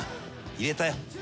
入れたよ。